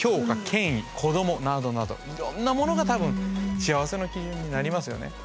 権威子どもなどなどいろんなものが多分幸せの基準になりますよね。